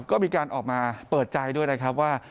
ก็มีการออกมาเปิดใจด้วยนะครับว่า